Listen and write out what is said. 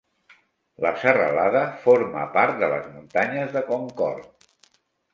La serralada forma part de les muntanyes de Concord.